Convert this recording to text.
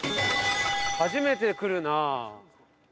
初めて来るなぁ。